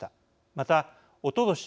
また、おととし